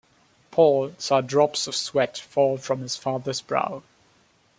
Paul saw drops of sweat fall from his father’s brow.